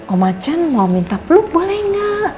om acan mau minta peluk boleh gak